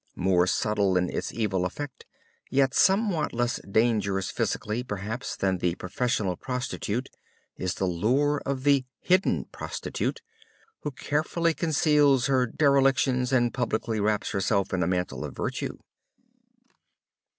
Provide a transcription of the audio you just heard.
More subtle in its evil effect, yet somewhat less dangerous physically, perhaps, than the professional prostitute is the lure of the "hidden" prostitute, who carefully conceals her derelictions, and publicly wraps herself in a mantle of virtue.